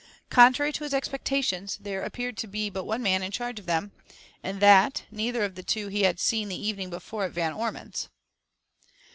Contrary to his expectations, there appeared to be but one man in charge of them; and that, neither of the two he had seen the evening before at Van Ormon's.